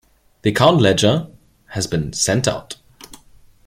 The account ledger has been sent out.